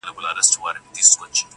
له لښكر څخه را ليري سو تنها سو،